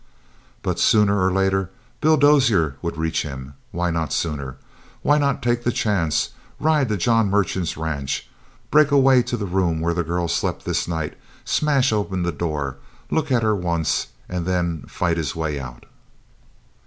But, sooner or later, Bill Dozier would reach him. Why not sooner? Why not take the chance, ride to John Merchant's ranch, break a way to the room where the girl slept this night, smash open the door, look at her once, and then fight his way out?